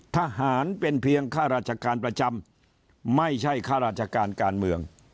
ทหารเป็นเพียงข้าราชการประจำไม่ใช่ข้าราชการการเมือง